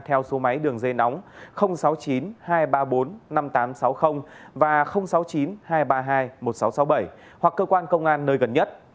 theo số máy đường dây nóng sáu mươi chín hai trăm ba mươi bốn năm nghìn tám trăm sáu mươi và sáu mươi chín hai trăm ba mươi hai một nghìn sáu trăm sáu mươi bảy hoặc cơ quan công an nơi gần nhất